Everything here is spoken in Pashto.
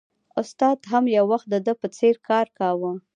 استاد هم یو وخت د ده په څېر کار کاوه